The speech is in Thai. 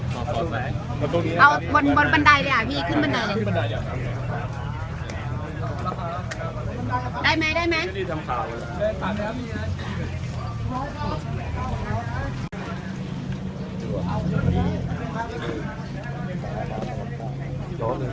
สวัสดีครับขอสอนแผน